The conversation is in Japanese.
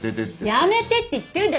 やめてって言ってるでしょ！